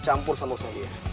campur sama usaha dia